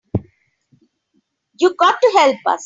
You got to help us.